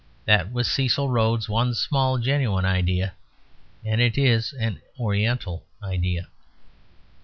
That was Cecil Rhodes's one small genuine idea; and it is an Oriental idea.